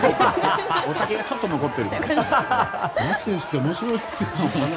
お酒がちょっと残ってる。